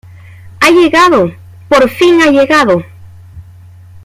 ¡ Ha llegado! ¡ por fin ha llegado!